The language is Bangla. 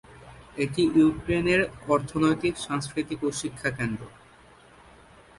এটি ইউক্রেনের অর্থনৈতিক, সাংস্কৃতিক ও শিক্ষা কেন্দ্র।